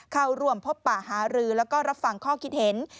เข้าร่วมพบป่าหารือแล้วก็รับฟังข้อคิดเห็น